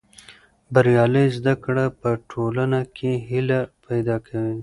بریالۍ زده کړه په ټولنه کې هیله پیدا کوي.